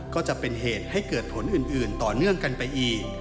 ก็จะเป็นเหตุให้เกิดผลอื่นต่อเนื่องกันไปอีก